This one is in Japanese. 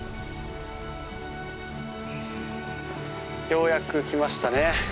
ようやく来ましたね。